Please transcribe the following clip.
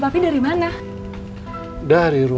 bapaknya gak mau nyanyi